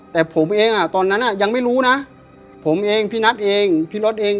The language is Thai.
แต่ผมเองอ่ะตอนนั้นอ่ะยังไม่รู้นะผมเองพี่นัทเองพี่รถเอง